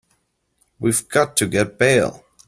We've got to get bail.